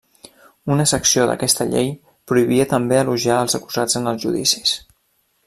Una secció d'aquesta llei prohibia també elogiar els acusats en els judicis.